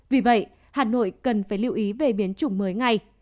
vì vậy hà nội cần phải lưu ý về biến chủng mới ngay